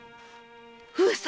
上様！